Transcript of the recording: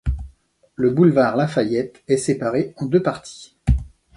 Le boulevard La Fayette est séparé en deux parties.